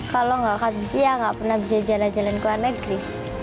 kalau gak angkat besi ya gak pernah bisa jalan jalan ke luar negeri